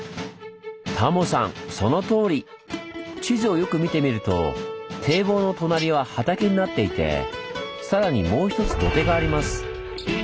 地図をよく見てみると堤防の隣は畑になっていてさらにもう一つ土手があります。